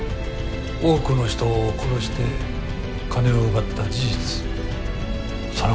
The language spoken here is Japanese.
多くの人を殺して金を奪った事実そのことです。